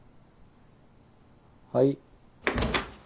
はい。